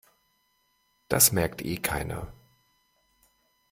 Das merkt eh keiner.